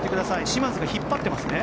嶋津が引っ張っていますね？